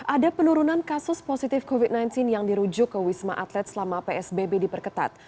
ada penurunan kasus positif covid sembilan belas yang dirujuk ke wisma atlet selama psbb diperketat